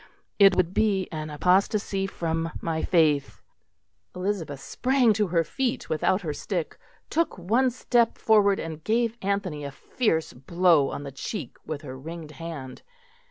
It would be an apostasy from my faith." Elizabeth sprang to her feet without her stick, took one step forward, and gave Anthony a fierce blow on the cheek with her ringed hand.